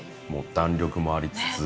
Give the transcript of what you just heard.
弾力もありつつ。